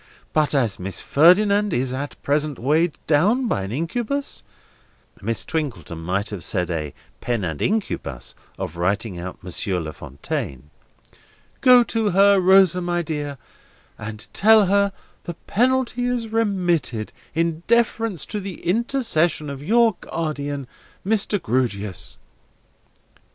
But as Miss Ferdinand is at present weighed down by an incubus"—Miss Twinkleton might have said a pen and ink ubus of writing out Monsieur La Fontaine—"go to her, Rosa my dear, and tell her the penalty is remitted, in deference to the intercession of your guardian, Mr. Grewgious."